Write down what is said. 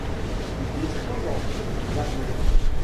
Ils disposent en plus d'une armure.